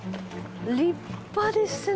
立派ですね。